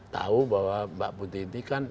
tahu bahwa mbak putih ini kan